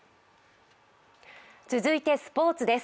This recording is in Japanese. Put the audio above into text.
続いてスポーツです。